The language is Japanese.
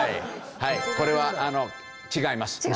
これは違います。